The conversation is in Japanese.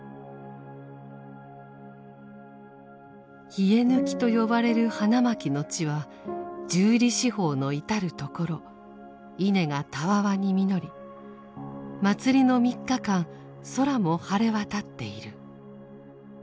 稗貫と呼ばれる花巻の地は十里四方の至る所稲がたわわに実り祭りの三日間空も晴れ渡っている。